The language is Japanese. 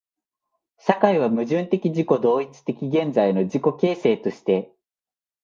社会は矛盾的自己同一的現在の自己形成として、